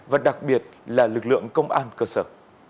và đặc biệt là lực lượng công an cơ sở